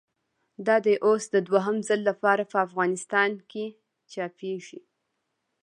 دا دی اوس د دوهم ځل له پاره افغانستان کښي چاپېږي.